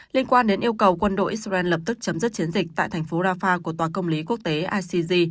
liên quan đến yêu cầu quân đội israel lập tức chấm dứt chiến dịch tại thành phố rafah của tòa công lý quốc tế icg